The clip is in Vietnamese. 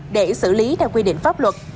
để xử lý theo quy định pháp luật